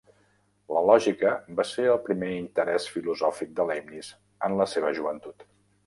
La lògica va ser el primer interès filosòfic de Leibniz en la seva joventut.